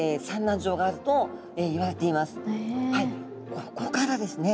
ここからですね